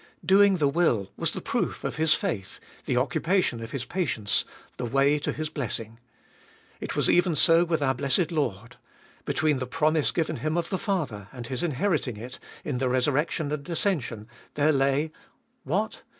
Doing the will was the proof of his faith, the occupation of his patience, the way to his blessing. It was even so with our blessed Lord. Between the promise given Him of the Father and His inheriting it in the resurrection and ascension there lay — what?